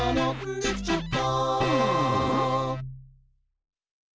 「できちゃった！」